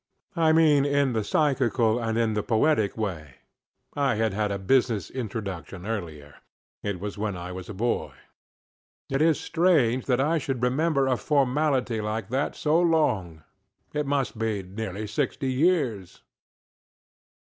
I mean, in the psychical and in the poetical way. I had had a business introduction earlier. It was when I was a boy. It is strange that I should remember a formality like that so long; it must be nearly sixty years.